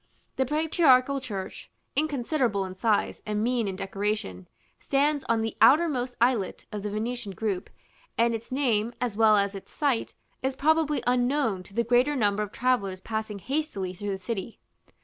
The patriarchal church, inconsiderable in size and mean in decoration, stands on the outermost islet of the Venetian group, and its name, as well as its site, is probably unknown to the greater number of travellers passing hastily through the city.